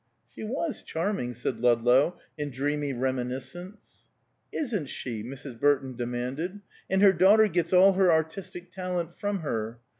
"She was charming," said Ludlow, in dreamy reminiscence. "Isn't she?" Mrs. Burton demanded. "And her daughter gets all her artistic talent from her.